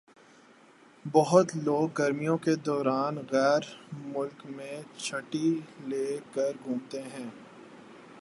بہت لوگ گرمیوں کے دوران غیر ملک میں چھٹّی لے کر گھومتے ہیں۔